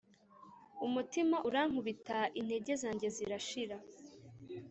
Umutima urankubita Intege zanjye zirashira